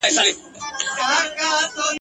توري چي غاړي پرې کوي دوست او دښمن نه لري ..